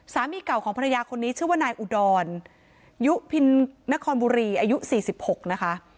สามีเก่าของภรรยาคนนี้ชื่อว่านายอุดรยุพินนครบุรีอายุ๔๖นะคะ